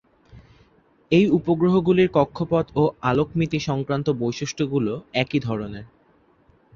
এই উপগ্রহগুলির কক্ষপথ ও আলোকমিতি-সংক্রান্ত বৈশিষ্ট্যগুলি একই ধরনের।